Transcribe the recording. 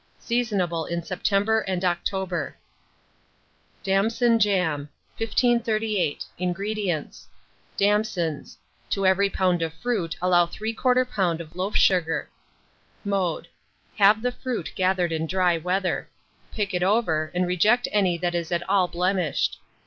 Seasonable in September and October. DAMSON JAM. 1538. INGREDIENTS. Damsons; to every lb. of fruit allow 3/4 lb. of loaf sugar. Mode. Have the fruit gathered in dry weather; pick it over, and reject any that is at all blemished.